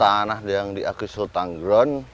tanah yang diakui sultan ground